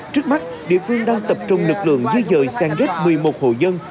trước mắt địa phương đang tập trung lực lượng di dời sang đếch một mươi một hộ dân